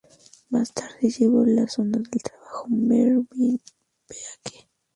Más tarde llevó a las ondas el trabajo de Mervyn Peake.